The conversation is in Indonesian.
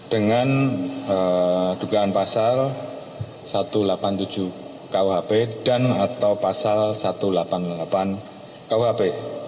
dengan dugaan pasal satu ratus delapan puluh tujuh kuhp dan atau pasal satu ratus delapan puluh delapan kuhp